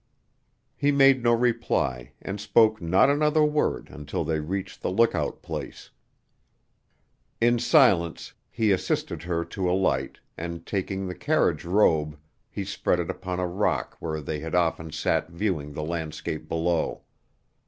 He made no reply, and spoke not another word until they reached the lookout place. In silence he assisted her to alight, and taking the carriage robe, he spread it upon a rock where they had often sat viewing the landscape below.